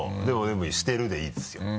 でもしてるでいいですよ。